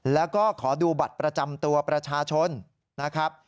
แล้วก็ขอดูบัตรประจำตัวประชาชนนะครับ